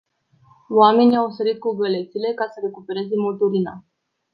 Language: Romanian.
Oamenii au sărit cu gălețile ca să recupereze motorina.